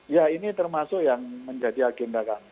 ya ini termasuk yang menjadi agenda kami